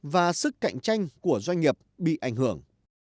và sức cạnh tranh của doanh nghiệp bị ảnh hưởng